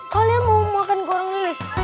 kalian mau makan di warung lilis